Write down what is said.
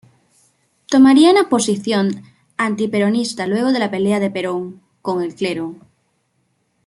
Tomaría una posición antiperonista luego de la pelea de Perón con el clero.